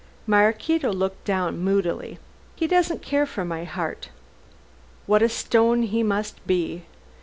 Maraquito looked down moodily. "He doesn't care for my heart." "What a stone he must be.